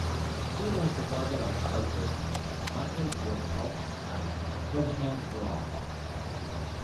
He was the father of the sculptors Michael Brokoff and Ferdinand Brokoff.